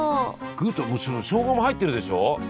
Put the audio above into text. グッともちろんしょうがも入ってるでしょ？